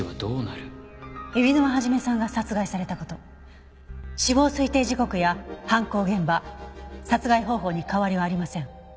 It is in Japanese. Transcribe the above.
海老沼肇さんが殺害された事死亡推定時刻や犯行現場殺害方法に変わりはありません。